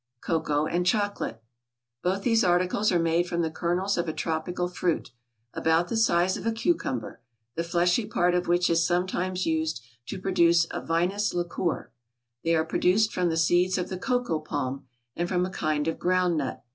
=Cocoa and Chocolate.= Both these articles are made from the kernels of a tropical fruit, about the size of a cucumber, the fleshy part of which is sometimes used to produce a vinous liquor; they are produced from the seeds of the cocoa palm, and from a kind of ground nut.